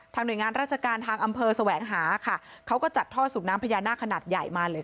หน่วยงานราชการทางอำเภอแสวงหาค่ะเขาก็จัดท่อสูบน้ำพญานาคขนาดใหญ่มาเลย